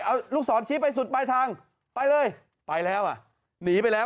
เอาลูกศรชี้ไปสุดปลายทางไปเลยไปแล้วอ่ะหนีไปแล้ว